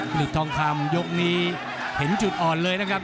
เหลือบทองคำยกนี้เห็นจุดอ่อนเลยนะครับ